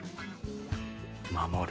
守る。